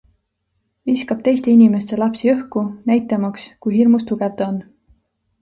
Viskab teiste inimeste lapsi õhku, näitamaks, kui hirmus tugev ta on.